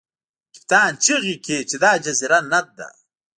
کپتان چیغې کړې چې دا جزیره نه ده.